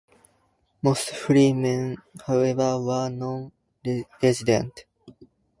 Most freemen, however, were non resident.